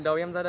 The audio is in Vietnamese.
y dài vết hoa